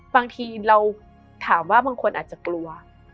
บางทีเราถามว่าบางคนอาจจะกลัว